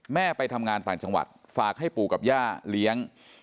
ไปทำงานต่างจังหวัดฝากให้ปู่กับย่าเลี้ยง